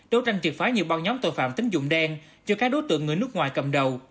đấu tranh triệt phái nhiều bao nhóm tội phạm tính dụng đen cho các đối tượng người nước ngoài cầm đầu